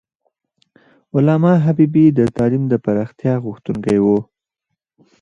علامه حبیبي د تعلیم د پراختیا غوښتونکی و.